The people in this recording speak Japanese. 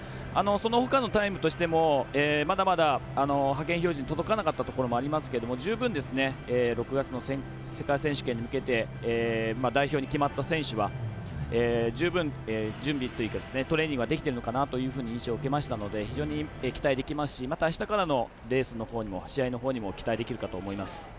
そのほかのタイムとしてもまだまだ派遣標準届かなかったところありますけれども十分、６月の世界選手権に向けて代表に決まった選手は十分、準備というかトレーニングはできているのかなという印象を受けましたので非常に期待ができますしまたあしたからのレースのほうにも試合のほうにも期待できるかと思います。